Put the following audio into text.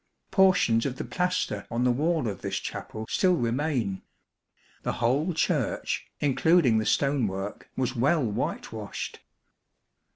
Portions of the plaster on the wall of this chapel still remain. The whole Church, including the stone work, was well white washed.